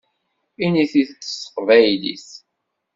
Init-t-id s teqbaylit!